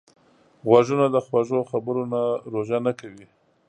غوږونه د خوږو خبرو نه روژه نه کوي